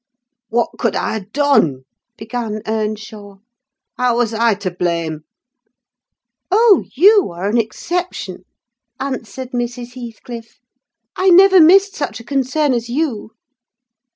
"'What could I ha' done?' began Earnshaw. 'How was I to blame?' "'Oh! you are an exception,' answered Mrs. Heathcliff. 'I never missed such a concern as you.